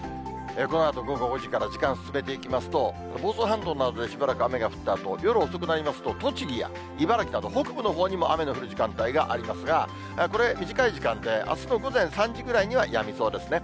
このあと午後５時から時間進めていきますと、房総半島などでしばらく雨が降ったあと、夜遅くなりますと、栃木や茨城など、北部のほうにも雨の降る時間帯がありますが、これ、短い時間で、あすの午前３時ぐらいにはやみそうですね。